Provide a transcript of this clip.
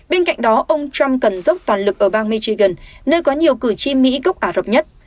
bên cạnh đó ông trump cần dốc toàn lực ở bang michigan nơi có nhiều cử tri mỹ gốc ả rập nhất